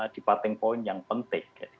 di parteng point yang penting